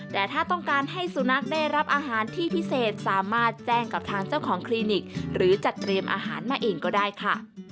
แต่ถ้าต้องการให้สุนัขได้รับอาหารที่พิเศษสามารถแจ้งกับทางเจ้าของคลินิกหรือจัดเตรียมอาหารมาเองก็ได้ค่ะ